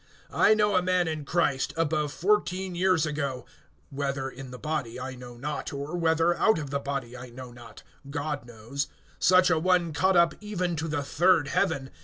(2)I know a man in Christ, above fourteen years ago (whether in the body I know not, or whether out of the body I know not, God knows) such a one caught up even to the third heaven.